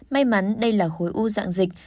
may mắn đây là khối u dạng dịch